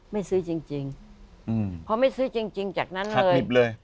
ไม่ซื้อจริงจริงอืมพอไม่ซื้อจริงจริงจากนั้นเลยดิบเลย